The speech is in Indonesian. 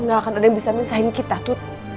gak akan ada yang bisa minsan kita tut